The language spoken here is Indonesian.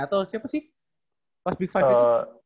atau siapa sih mas big five itu